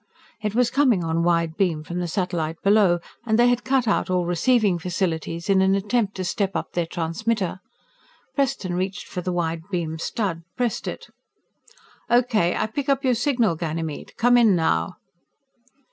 It was coming on wide beam from the satellite below and they had cut out all receiving facilities in an attempt to step up their transmitter. Preston reached for the wide beam stud, pressed it. "Okay, I pick up your signal, Ganymede. Come in, now!"